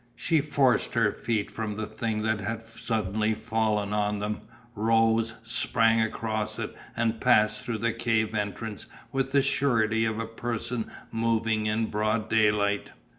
She forced her feet from the thing that had suddenly fallen on them, rose, sprang across it and passed through the cave entrance with the surety of a person moving in broad daylight.